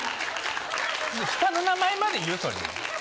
下の名前までいうって。